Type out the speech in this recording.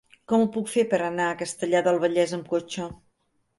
Com ho puc fer per anar a Castellar del Vallès amb cotxe?